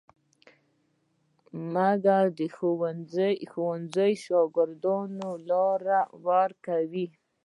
مګر د ښوونځیو له شاګردانو لاره ورکوي.